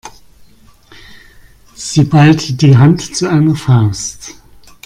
Sie ballte die Hand zu einer Faust.